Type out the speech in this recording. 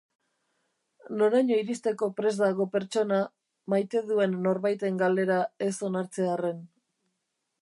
Noraino iristeko prest dago pertsona maite duen norbaiten galera ez onartzearren?